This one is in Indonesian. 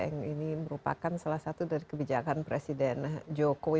yang ini merupakan salah satu dari kebijakan presiden jokowi